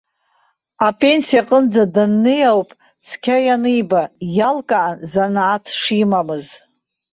Апенсиа аҟынӡа даннеи ауп цқьа ианиба, иалкаан занааҭ шимамыз.